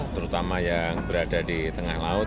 terutama yang berada di tengah laut